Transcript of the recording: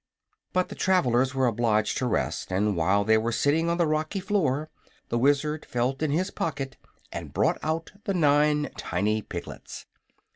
But the travellers were obliged to rest, and while they were sitting on the rocky floor the Wizard felt in his pocket and brought out the nine tiny piglets.